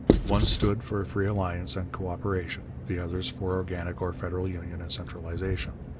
One stood for a free alliance and co operation, the other for organic or federal union and centralization.